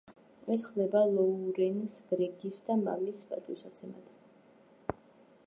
ეს ხდება ლოურენს ბრეგის და მამის პატივსაცემად.